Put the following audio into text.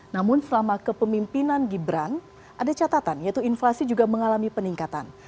namun selama kepemimpinan gibran ada catatan yaitu inflasi juga mengalami peningkatan